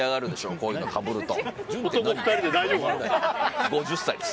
こういうのかぶると。